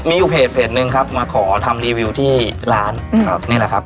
มีอยู่เพจนึงครับมาขอทำรีวิวที่ร้านครับนี่แหละครับ